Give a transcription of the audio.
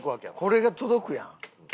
これが届くやん。